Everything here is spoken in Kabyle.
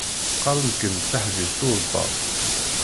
Qqaren-d kan d taḥbibt uḍebbal.